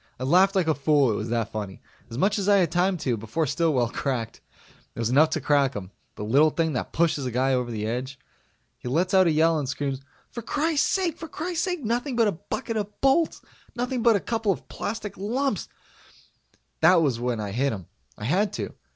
I laughed like a fool it was that funny. As much as I had time to, before Stillwell cracked. It was enough to crack him the little thing that pushes a guy over the edge. He lets out a yell and screams, "For crisake! For crisake! Nothing but a bucket of bolts! Nothing but a couple of plastic lumps " That was when I hit him. I had to.